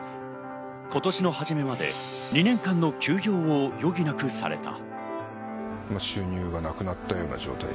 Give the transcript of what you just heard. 今年の初めまで２年間の休業を余儀なくされた。